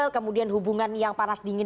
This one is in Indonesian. kemudian hubungan yang panas dingin